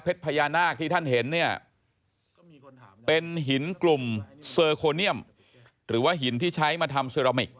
เพชรพญานาคที่ท่านเห็นเนี่ยเป็นหินกลุ่มหรือว่าหินที่ใช้มาทำ